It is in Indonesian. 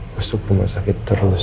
masuk rumah sakit terus